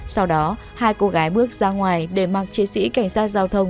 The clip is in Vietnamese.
sau đó hai cô gái bước ra ngoài để mặc chiến sĩ cảnh sát giao thông